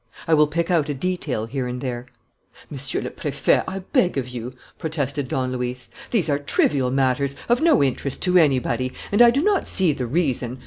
I will pick out a detail here and there." "Monsieur le Préfet, I beg of you," protested Don Luis. "These are trivial matters, of no interest to anybody; and I do not see the reason...."